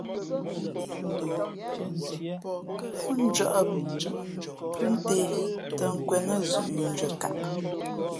Pó njᾱʼ phʉ́ ntē tᾱ nkwēn nά zʉ̌ʼ ndʉ̄αkaʼ.